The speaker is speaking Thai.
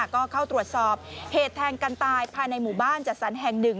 ก็เข้าตรวจสอบเหตุแทงกันตายภายในหมู่บ้านจัดสรรแห่งหนึ่ง